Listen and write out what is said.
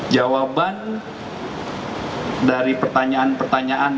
jawaban dari pertanyaan pertanyaan yang disampaikan